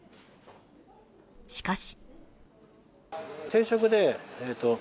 しかし。